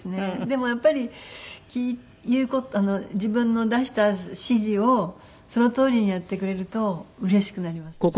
でもやっぱり自分の出した指示をそのとおりにやってくれるとうれしくなりますね。